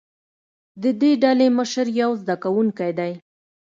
د دې ډلې مشر یو زده کوونکی دی.